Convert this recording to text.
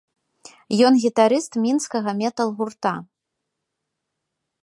Ён гітарыст мінскага метал-гурта.